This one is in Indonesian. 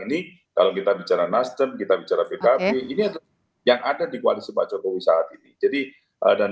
ini kalau kita bicara nasdem kita bicara pkb ini adalah yang ada di koalisi pak jokowi saat ini jadi dan